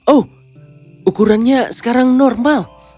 oh ukurannya sekarang normal